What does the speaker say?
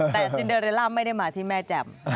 แต่ซินเดอเรลล่าไม่ได้มาที่แม่แจ่ม